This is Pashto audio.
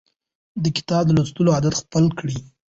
د کتاب لوستلو عادت خپل کړئ.